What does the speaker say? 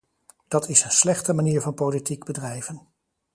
Dat is een slechte manier van politiek bedrijven.